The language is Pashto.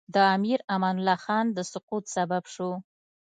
د امیر امان الله خان د سقوط سبب شو.